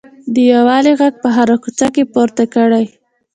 د یووالي غږ په هره کوڅه کې پورته کړئ.